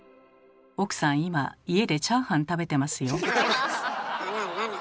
奥さん今家でチャーハン食べてますよ。